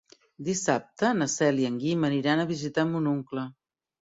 Dissabte na Cel i en Guim aniran a visitar mon oncle.